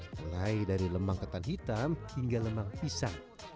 mulai dari lemang ketan hitam hingga lemang pisang